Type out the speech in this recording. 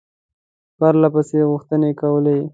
پرله پسې غوښتني کولې.